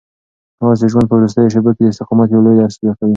آس د ژوند په وروستیو شېبو کې د استقامت یو لوی درس ورکړ.